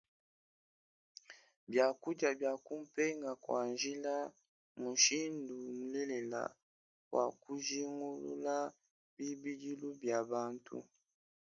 Biakudia bia kumpenga kua njila mmushindu mulelela wa kujingulula bibidilu bia bantu.